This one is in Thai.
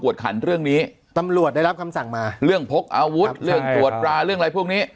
ขันเรื่องนี้ตำรวจได้รับคำสั่งมาเรื่องพกอาวุธเรื่องตรวจปลาเรื่องอะไรพวกนี้